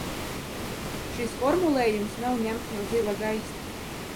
Šis formulējums nav ņemts no zila gaisa.